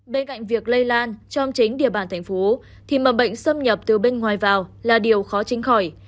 bên cạnh việc lây lan trong chính địa bàn thành phố thì mầm bệnh xâm nhập từ bên ngoài vào là điều khó tránh khỏi